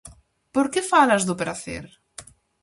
Por que falas do pracer?